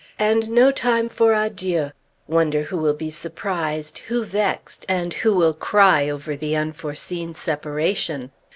And no time for adieux! Wonder who will be surprised, who vexed, and who will cry over the unforeseen separation?